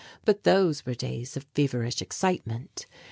But those were days of feverish excitement.